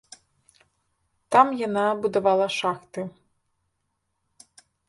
Там яна будавала шахты.